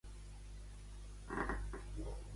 Apaga l'aplicació de Caprabo.